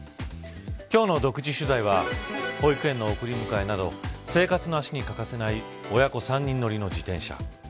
今日の独自取材は保育園の送り迎えなど生活の足に欠かせない親子３人乗りの自転車。